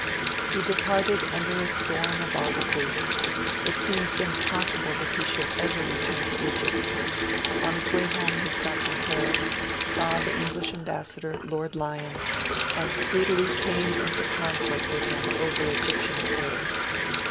He departed under a storm of obloquy. It seemed impossible that he should ever return to Egypt. On his way home he stopped in Paris, saw the English Ambassador, Lord Lyons, and speedily came into conflict with him over Egyptian affairs.